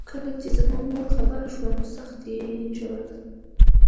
کله چې زما مور خبره شوه نو سخت یې ژړل